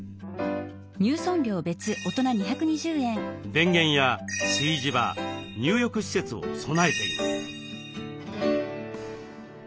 電源や炊事場入浴施設を備えています。